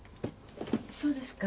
そうですか。